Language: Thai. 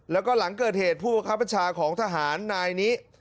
แล้วก็หลังเกิดเหตุผู้ประคับประชาของทหารนายนี้